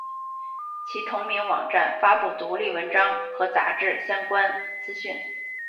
其同名网站发布独立文章和杂志相关资讯。